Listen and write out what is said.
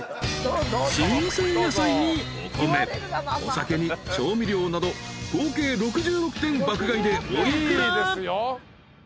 ［新鮮野菜にお米お酒に調味料など合計６６点爆買いでお幾ら？］